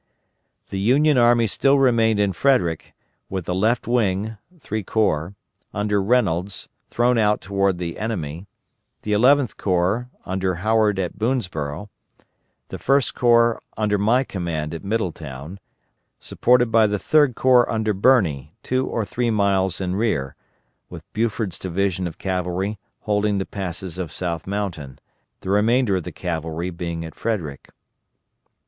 The Union army still remained in Frederick, with the left wing (three corps) under Reynolds thrown out toward the enemy, the Eleventh Corps under Howard at Boonsborough, the First Corps under my command at Middletown, supported by the Third Corps under Birney, two or three miles in rear, with Buford's division of cavalry holding the passes of South Mountain, the remainder of the cavalry being at Frederick.